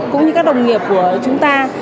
cũng như các đồng nghiệp của chúng ta